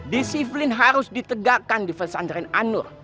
disiplin harus ditegakkan di pesantren anur